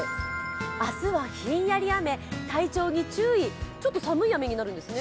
明日はヒンヤリ雨、体調に注意ちょっと寒い雨になるんですね？